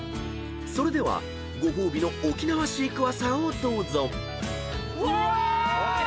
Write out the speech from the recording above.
［それではご褒美の沖縄シークワーサーをどうぞ］うわ！